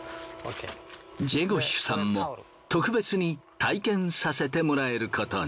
ジェゴシュさんも特別に体験させてもらえることに。